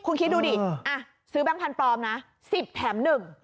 คุณคิดดูดิซื้อแบงค์พันธุ์ปลอมนะ๑๐แถม๑